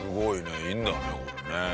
いるんだねこれね。